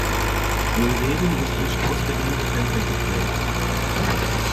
Die Umgebung ist durch ausgedehnte Felder geprägt.